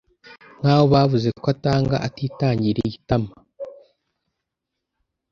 nk’aho bavuze ko atanga atitangiriye itama